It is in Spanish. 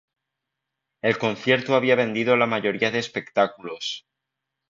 El concierto había vendido la mayoría de espectáculos.